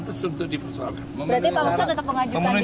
tentu di persoalan